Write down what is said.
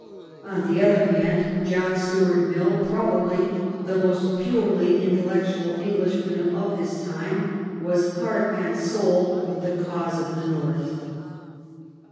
On the other hand, John Stuart Mill, probably the most purely intellectual Englishman of his time, was heart and soul with the cause of the North.